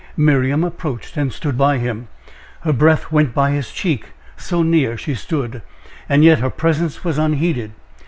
Miriam approached and stood by him, her breath went by his cheek, so near she stood, and yet her presence was unheeded.